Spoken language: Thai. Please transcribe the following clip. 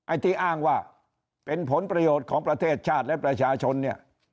ไอ้ที่อ้างว่าเป็นผลประโยชน์ของประเทศชาติและประชาชนเนี่ย